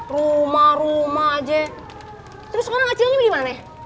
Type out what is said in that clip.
rumah rumah aja terus orang aslinya dimana ya